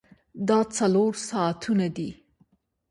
دا څلور ساعتونه دي.